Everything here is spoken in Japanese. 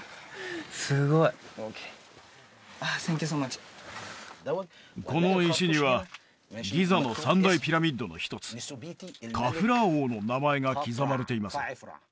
すごいセンキューソーマッチこの石にはギザの三大ピラミッドの一つカフラー王の名前が刻まれています